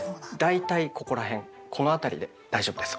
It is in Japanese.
だいたいここら辺この辺りで大丈夫です。